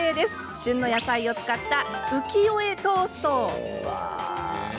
旬の野菜を使った浮世絵トースト。